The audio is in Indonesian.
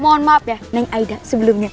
mohon maaf ya neng aida sebelumnya